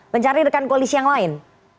mencari rekan koalisi yang lain